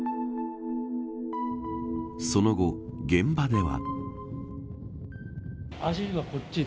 その後、現場では。